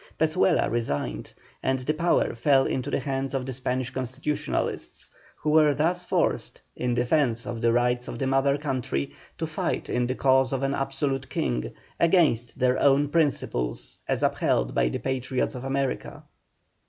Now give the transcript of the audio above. Pezuela resigned, and the power fell into the hands of the Spanish Constitutionalists, who were thus forced, in defence of the rights of the mother country, to fight in the cause of an absolute King, against their own principles as upheld by the Patriots of America.